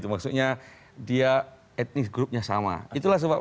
maksudnya dia etnis grupnya sama